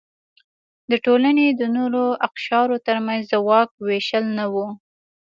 د ټولنې د نورو اقشارو ترمنځ د واک وېشل نه و.